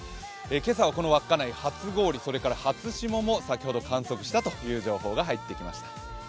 今朝はこの稚内、初氷、初霜も先ほど観測したという情報が入ってきました。